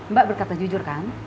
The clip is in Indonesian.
mbak berkata jujur kan